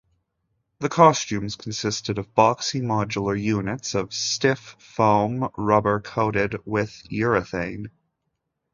The costumes consisted of boxy modular units of stiff foam rubber coated with urethane.